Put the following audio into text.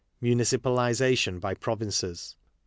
Municipalization by Provinces.